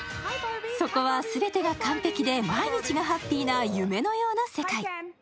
そこは全てが完璧で毎日がハッピーな夢のような世界。